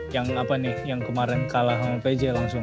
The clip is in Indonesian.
yang apa nih yang kemarin kalah sama pj langsung